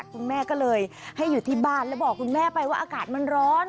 คุณแม่ก็เลยให้อยู่ที่บ้านแล้วบอกคุณแม่ไปว่าอากาศมันร้อน